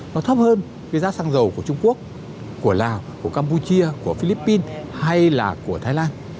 nó thấp hơn cái giá xăng dầu của trung quốc của lào của campuchia của philippines hay là của thái lan